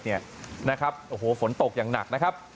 โอ้โหฝนตกอย่างหนักนะครับ